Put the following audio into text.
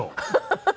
ハハハハ。